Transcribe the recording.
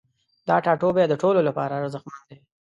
دا ټاتوبی د ټولو لپاره ارزښتمن دی